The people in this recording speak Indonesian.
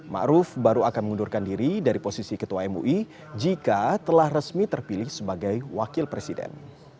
⁇ maruf ⁇ baru akan mengundurkan diri dari posisi ketua mui jika telah resmi terpilih sebagai wakil presiden